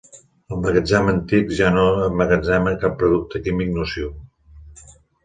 El magatzem antic ja no emmagatzema cap producte químic nociu.